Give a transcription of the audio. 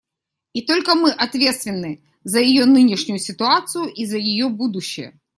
И только мы ответственны за ее нынешнюю ситуацию и за ее будущее.